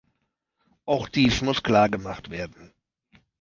Auch dies muss klargemacht werden.